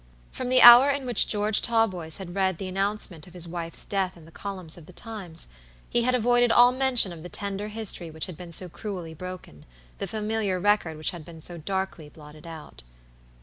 From the hour in which George Talboys had read the announcement of his wife's death in the columns of the Times, he had avoided all mention of the tender history which had been so cruelly broken, the familiar record which had been so darkly blotted out.